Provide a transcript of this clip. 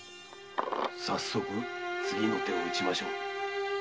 さっそく次の手を打ちましょう。